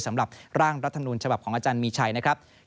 สำหรับร่างรัฐมนูญฉบับของอาจารย์มีชัยนะครับ